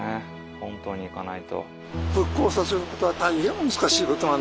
本島に行かないと。